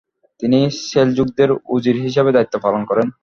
তিনি সেলজুকদের উজির হিসেবে দায়িত্ব পালন করেন।